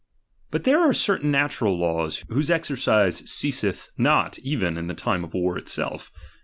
But e certain natural laws, whose exercise ceaseth not even in ► the time of war itself.